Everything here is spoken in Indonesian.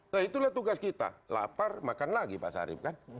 nah itulah tugas kita lapar makan lagi pak sarip kan